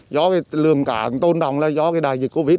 do lượng cá tôn đồng là do đại dịch covid một mươi chín